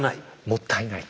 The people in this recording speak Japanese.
もったいない。